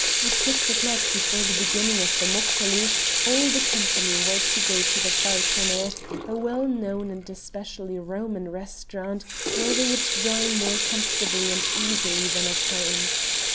At six o'clock, before the beginning of the moccoli, all the company were to go to the 'Falcone,' a well known and especially Roman restaurant where they would dine more comfortably and easily than at home.